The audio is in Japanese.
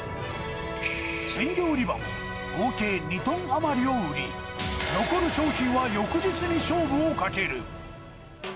鮮魚売り場も合計２トン余りを売り、残る商品は翌日に勝負をかける。